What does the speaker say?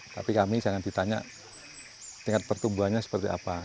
tapi kami jangan ditanya tingkat pertumbuhannya seperti apa